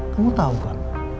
kamu tau kan